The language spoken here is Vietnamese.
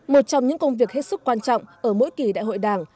một trong những công việc hết sức quan trọng ở mỗi kỳ đại hội đảng